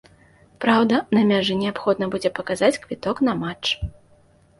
Праўда, на мяжы неабходна будзе паказаць квіток на матч.